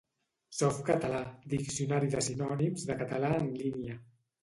Softcatalà, diccionari de sinònims de català en línia.